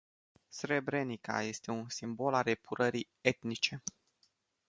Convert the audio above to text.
Srebrenica este un simbol al epurării etnice.